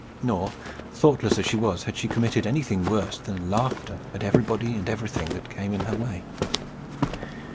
Nor, thoughtless as she was, had she committed anything worse than laughter at everybody and everything that came in her way.